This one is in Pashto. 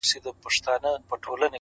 • د ميني ننداره ده، د مذهب خبره نه ده،